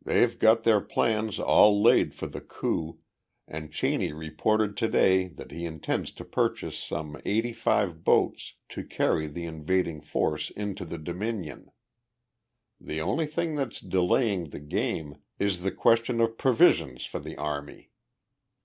"They've got their plans all laid for the coup, and Cheney reported to day that he intends to purchase some eighty five boats to carry the invading force into the Dominion. The only thing that's delaying the game is the question of provisions for the army.